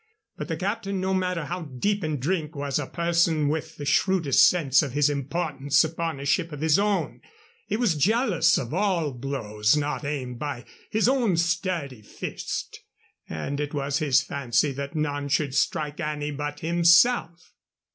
But the captain, no matter how deep in drink, was a person with the shrewdest sense of his importance upon a ship of his own. He was jealous of all blows not aimed by his own sturdy fist, and it was his fancy that none should strike any but himself.